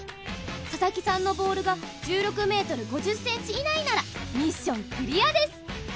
佐々木さんのボールが１６ｍ５０ｃｍ以内ならミッションクリアです。